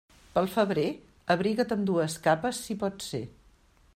Pel febrer, abriga't amb dues capes si pot ser.